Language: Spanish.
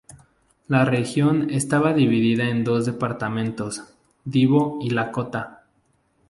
La región estaba dividida en dos departamentos: Divo y Lakota.